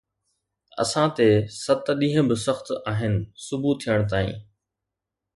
اسان تي ست ڏينهن به سخت آهن صبح ٿيڻ تائين